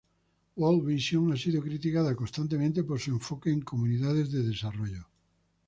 World Vision ha sido criticada constantemente por su enfoque en comunidades de desarrollo.